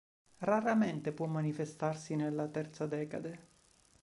Raramente può manifestarsi nella terza decade.